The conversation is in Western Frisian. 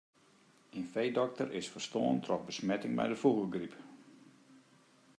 In feedokter is ferstoarn troch besmetting mei de fûgelgryp.